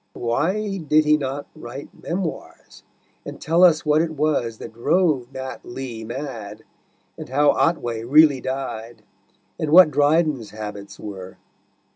Why did he not write memoirs, and tell us what it was that drove Nat Lee mad, and how Otway really died, and what Dryden's habits were?